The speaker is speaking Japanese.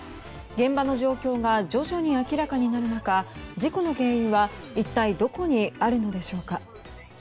現場の状況が徐々に明らかになる中事故の原因は一体どこにあるのでしょうか。